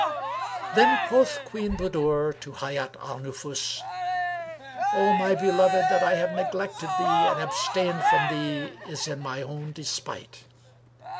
Then quoth Queen Budur to Hayat al Nufus, "O my beloved, that I have neglected thee and abstained from thee is in my own despite."